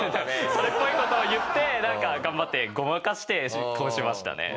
それっぽい事を言ってなんか頑張ってごまかして出稿しましたね。